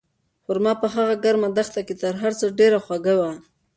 خورما په هغه ګرمه دښته کې تر هر څه ډېره خوږه وه.